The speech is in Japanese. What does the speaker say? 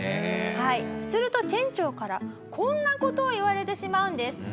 はいすると店長からこんな事を言われてしまうんです。